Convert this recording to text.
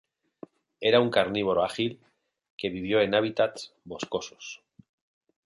Era un carnívoro ágil que vivió en hábitats boscosos.